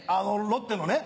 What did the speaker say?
ロッテのね。